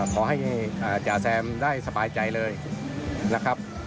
ขอให้จ่าแซมได้สบายใจเลยนะครับ